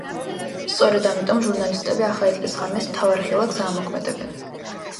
სწორედ ამიტომ, ჟურნალისტები ახალი წლის ღამეს, მთავარ ღილაკს აამოქმედებენ.